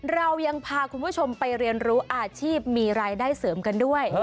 เรายังพาคุณผู้ชมไปเรียนรู้อาชีพมีรายได้เสริมกันด้วย